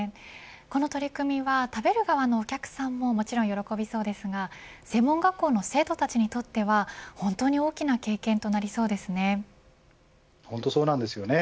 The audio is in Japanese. この取り組みは食べる側のお客さんももちろん喜びそうですが専門学校の生徒たちにとっては本当に大きな経験となりそうですね。